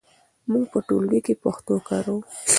موږ په ټولګي کې پښتو کاروو.